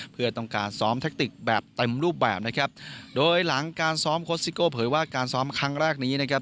เพื่อต้องการซ้อมแทคติกแบบเต็มรูปแบบนะครับโดยหลังการซ้อมโค้ชซิโก้เผยว่าการซ้อมครั้งแรกนี้นะครับ